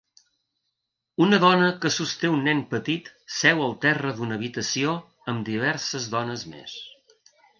Una dona que sosté un nen petit seu al terra d'una habitació amb diverses dones més.